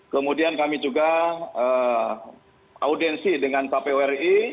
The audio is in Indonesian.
kemudian kami juga audiensi dengan kpwri